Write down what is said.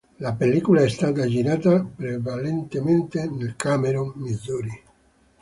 La pellicola è stata girata prevalentemente nel Cameron, Missouri.